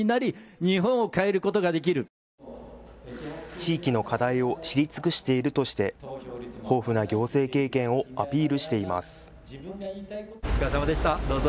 地域の課題を知り尽くしているとして豊富な行政経験をアピールしています。